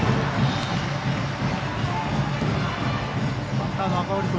バッターの赤堀君